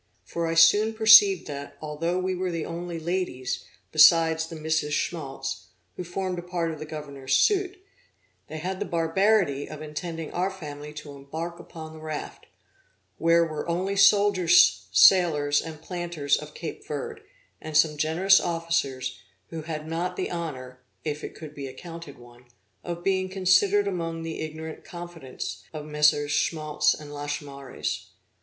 For I soon perceived that, although we were the only ladies, besides the Misses Schmaltz, who formed a part of the Governor's suit, they had the barbarity of intending our family to embark upon the raft, where were only soldiers sailors and planters of Cape Verd, and some generous officers who had not the honor (if it could be accounted one) of being considered among the ignorant confidants of MM. Schmaltz and Lachaumareys.